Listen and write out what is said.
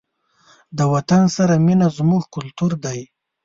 د وطن سره مینه زموږ کلتور دی.